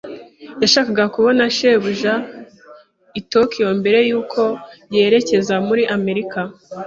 Yashakaga kubona shebuja i Tokiyo mbere yuko yerekeza muri Amerika.